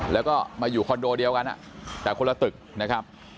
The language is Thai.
แล้วก็มาอยู่คอนโดเดียวกันแต่คนละตึกนะครับ